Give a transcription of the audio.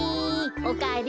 おかえり。